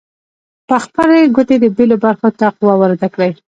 پر خپلې ګوتې د بیلو برخو ته قوه وارده کړئ.